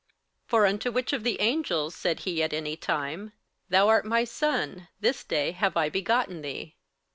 58:001:005 For unto which of the angels said he at any time, Thou art my Son, this day have I begotten thee?